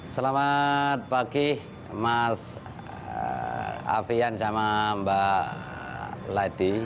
selamat pagi mas afian sama mbak ladi